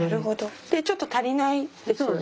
ちょっと足りないですよね。